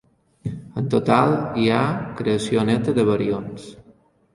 En total, hi ha creació neta de barions.